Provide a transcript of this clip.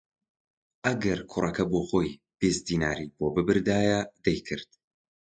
ئەگەر کوڕەکە بۆ خۆی بیست دیناری بۆ ببردایە دەیکرد